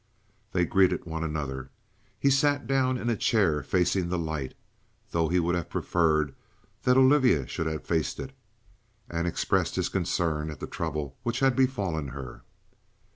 They greeted one another; he sat down in a chair facing the light, though he would have preferred that Olivia should have faced it, and expressed his concern at the trouble which had befallen her.